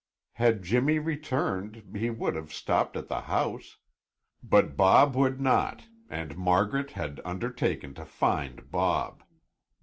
Had Jimmy returned, he would have stopped at the house; but Bob would not and Margaret had undertaken to find Bob.